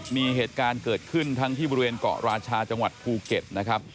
มีเหตุการณ์เกิดขึ้นทั้งที่บริเวณเกาะราชาจังหวัดภูเก็ตนะครับ